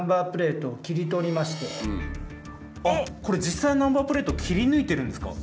実際のナンバープレートを切り抜いてるんですか？